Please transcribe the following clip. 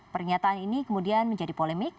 pernyataan ini kemudian menjadi polemik